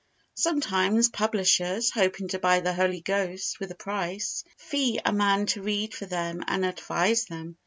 Sometimes publishers, hoping to buy the Holy Ghost with a price, fee a man to read for them and advise them.